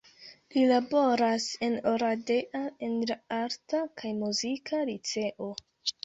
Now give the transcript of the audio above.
Li laboras en Oradea en la Arta kaj Muzika Liceo.